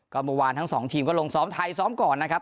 ก็ประมาณทั้งสองทีมก็ลงซ้อมทายซ้อมก่อนนะครับ